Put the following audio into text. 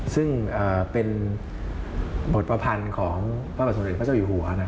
ซึ่งเป็นบทประพันธ์ของพระบาทสมเด็จพระเจ้าอยู่หัว